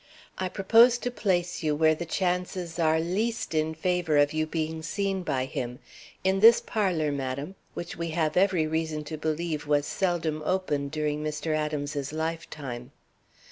I propose to place you where the chances are least in favor of your being seen by him in this parlor, madam, which we have every reason to believe was seldom opened during Mr. Adams's lifetime."